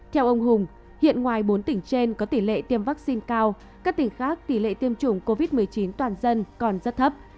theo ông hùng hiện ngoài bốn tỉnh trên có tỷ lệ tiêm vaccine cao các tỉnh khác tỷ lệ tiêm chủng covid một mươi chín toàn dân còn rất thấp